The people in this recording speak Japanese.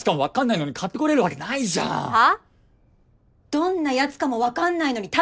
どんなやつかもわかんないのに食べたの？